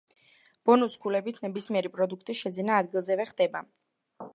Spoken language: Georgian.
ბონუს ქულებით ნებისმიერი პროდუქტის შეძენა ადგილზევე ხდება.